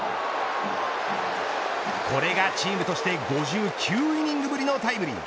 これがチームとして５９イニングぶりのタイムリー。